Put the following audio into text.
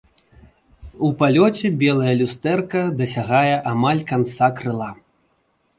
У палёце белае люстэрка дасягае амаль канца крыла.